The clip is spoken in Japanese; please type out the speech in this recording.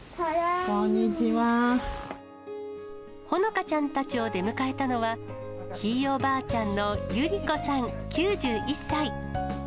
ほのかちゃんたちを出迎えたのは、ひいおばあちゃんの百合子さん９１歳。